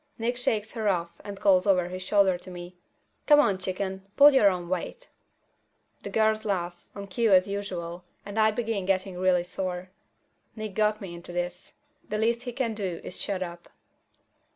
Nick shakes her off and calls over his shoulder to me, "Come on, chicken, pull your own weight!" The girls laugh, on cue as usual, and I begin getting really sore. Nick got me into this. The least he can do is shut up.